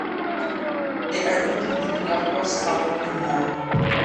They are looking into lacrosse, hockey, and more.